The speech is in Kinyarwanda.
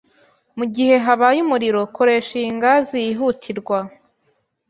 Mugihe habaye umuriro, koresha iyi ngazi yihutirwa.